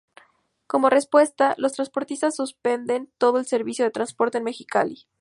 Como respuesta, los transportistas suspenden todo el servicio de transporte en Mexicali.